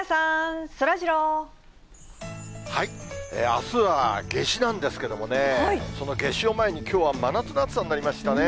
あすは夏至なんですけどもね、その夏至を前に、きょうは真夏の暑さになりましたね。